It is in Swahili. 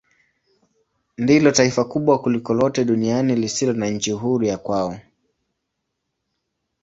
Ndilo taifa kubwa kuliko lote duniani lisilo na nchi huru ya kwao.